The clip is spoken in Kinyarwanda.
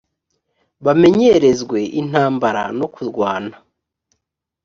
bamenyerezwe intambara no kurwana